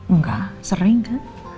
enggak sering kan